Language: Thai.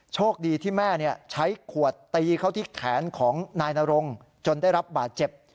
โชคดีที่แม่ใช้ขวดตีเข้าที่แขนของนายนรงจนได้รับบาดเจ็บ